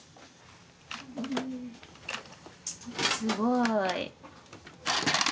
・すごい。